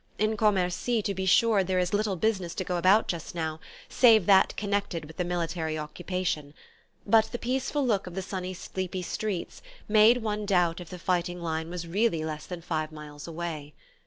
In Commercy, to be sure, there is little business to go about just now save that connected with the military occupation; but the peaceful look of the sunny sleepy streets made one doubt if the fighting line was really less than five miles away...